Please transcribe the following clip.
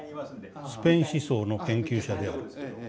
スペイン思想の研究者である。